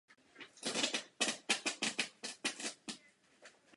Kostel včetně hřbitova a ohradní zdi je chráněn jako kulturní památka České republiky.